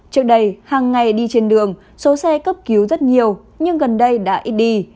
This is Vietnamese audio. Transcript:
trước đây hàng ngày đi trên đường số xe cấp cứu rất nhiều nhưng gần đây đã ít đi